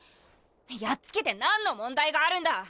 やっつけて何の問題があるんだ！